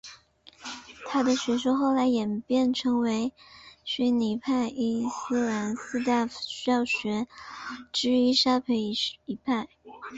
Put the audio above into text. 他的学说后来演变成为逊尼派伊斯兰四大教法学之一的沙斐仪派。